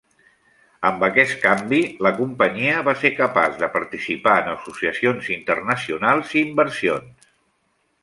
Amb aquest canvi, la companyia va ser capaç de participar en associacions internacionals i inversions.